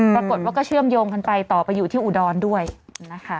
ปรากฏว่าก็เชื่อมโยงกันไปต่อไปอยู่ที่อุดรด้วยนะคะ